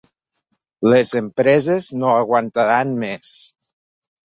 Les empreses no aguantaran més.